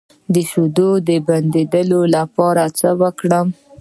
د شیدو د بندیدو لپاره باید څه وکړم؟